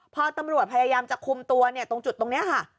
พอตำรวจพยายามจะคุมตัวตรงจุดตรงนี้ค่ะ